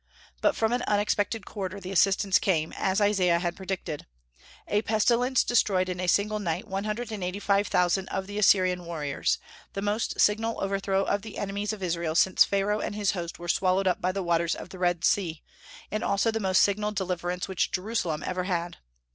But from an unexpected quarter the assistance came, as Isaiah had predicted. A pestilence destroyed in a single night one hundred and eighty five thousand of the Assyrian warriors, the most signal overthrow of the enemies of Israel since Pharaoh and his host were swallowed up by the waters of the Red Sea, and also the most signal deliverance which Jerusalem ever had.